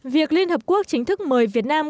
việc liên hợp quốc chính thức mời việt nam